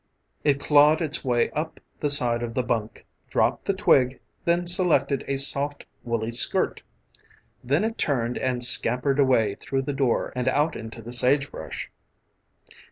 It clawed its way up the side of the bunk, dropped the twig, then selected a soft, woolly skirt. Then it turned and scampered away through the door and out into the sagebrush.